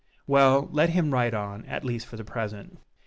Well, let him write on, at least for the present.